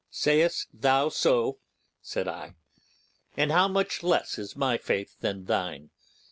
'Sayest thou so?' said I, 'and how much less is my faith than thine?